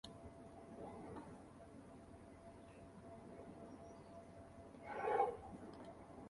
The agent who was present did not shoot but called for backup.